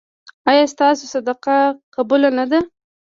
ایا ستاسو صدقه قبوله نه ده؟